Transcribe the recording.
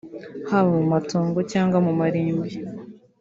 haba mu matongo cyangwa mu marimbi